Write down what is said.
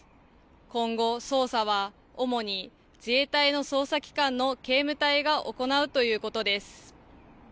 今後、捜査は主に自衛隊の捜査機関の警務隊が行うということです。